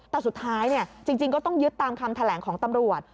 แต่สุดท้ายจริงก็ต้องยึดตามคำแถลงของตำรวจ